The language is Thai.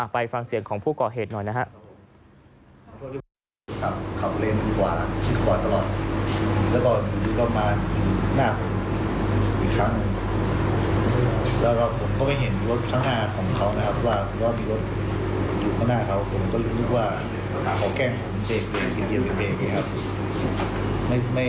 ไปฟังเสียงของผู้ก่อเหตุหน่อยนะครับ